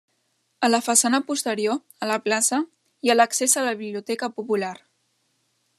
A la façana posterior, a la plaça, hi ha l'accés a la biblioteca popular.